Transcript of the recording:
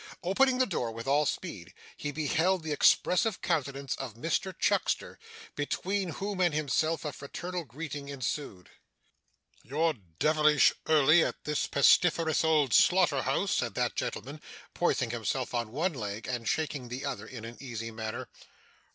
Opening the door with all speed, he beheld the expressive countenance of Mr Chuckster, between whom and himself a fraternal greeting ensued. 'You're devilish early at this pestiferous old slaughter house,' said that gentleman, poising himself on one leg, and shaking the other in an easy manner.